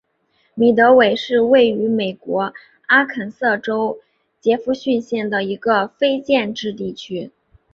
米德韦是位于美国阿肯色州杰佛逊县的一个非建制地区。